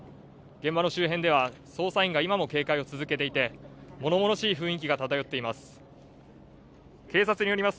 現場の周辺では捜査員が今も警戒を続けていて物々しい雰囲気が漂っています。